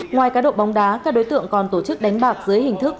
ngoài cá độ bóng đá các đối tượng còn tổ chức đánh bạc dưới hình thức